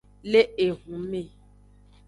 Le ehunme.